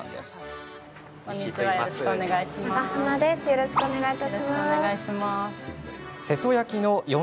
よろしくお願いします。